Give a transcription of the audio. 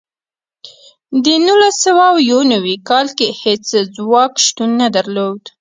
د نولس سوه یو نوي کال کې هېڅ ځواک شتون نه درلود.